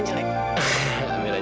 nah jangan butuh